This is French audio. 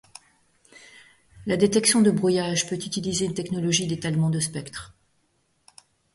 La détection de brouillage peut utiliser une technologie d'étalement de spectre.